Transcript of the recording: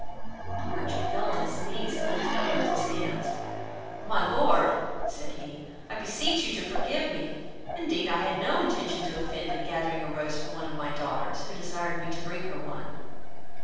The merchant fell on his knees, and lifted up both his hands: "My Lord (said he,) I beseech you to forgive me, indeed I had no intention to offend in gathering a rose for one of my daughters, who desired me to bring her one."